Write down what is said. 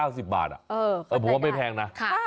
เออก็จะได้นะผมว่าไม่แพงนะค่ะ